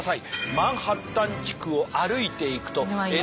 マンハッタン地区を歩いていくとＮＹＵの旗。